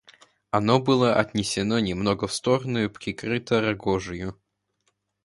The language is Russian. Оно было отнесено немного в сторону и прикрыто рогожею.